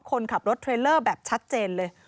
คนขับรถเทรลเลอร์แบบชัดเจนเลย